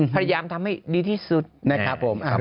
พยายามทำให้ดีที่สุดนะครับผม